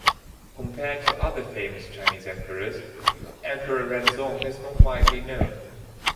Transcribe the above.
Compared to other famous Chinese emperors, Emperor Renzong is not widely known.